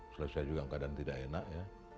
selesai juga keadaan tidak enak ya